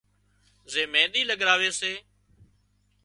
زي مينۮِي لڳراوي سي